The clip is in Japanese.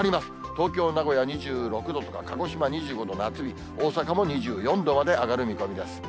東京、名古屋２６度とか、鹿児島２５度、夏日、大阪も２４度まで上がる見込みです。